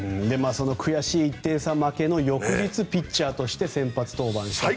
悔しい１点差負けの翌日ピッチャーとして先発登板したと。